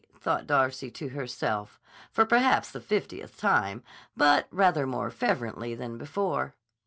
thought Darcy to herself, for perhaps the fiftieth time, but rather more fervently than before.